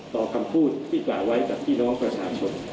ต่อคำพูดที่กล่าวไว้กับพี่น้องประชาชน